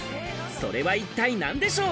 それは一体何でしょう？